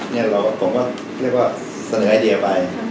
เนี่ยเราก็ผมก็เรียกว่าเสนอไอเดียไป